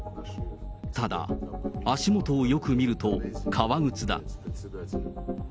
ただ、足元をよく見ると革靴だ。